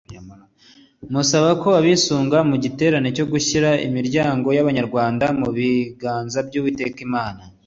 musaba ko babisunga mu giterane cyo gushyira Imiryango y’Abanyarwanda mu biganza by’Uwiteka Imana